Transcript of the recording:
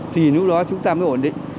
thì lúc đó chúng ta mới ổn định